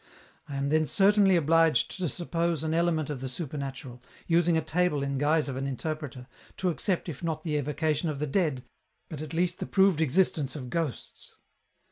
I am then certainly obliged to suppose an element of the super natural, using a table in guise of an interpreter, to accept if not the evocation of the dead, but at least the proved existence of ghosts.